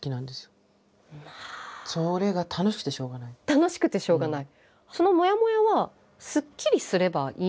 楽しくてしょうがない。